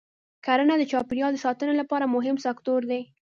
کرنه د چاپېریال د ساتنې لپاره مهم سکتور دی.